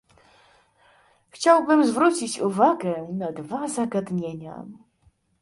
Chciałbym zwrócić uwagę na dwa zagadnienia